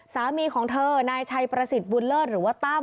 สามีของเธอนายชัยประสิทธิ์บุญเลิศหรือว่าตั้ม